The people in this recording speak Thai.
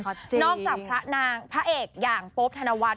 นอกจากพระนางพระเอกอย่างโป๊ปธนวัล